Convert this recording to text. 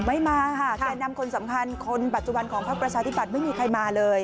ไม่มาค่ะแก่นำคนสำคัญคนปัจจุบันของพักประชาธิบัตย์ไม่มีใครมาเลย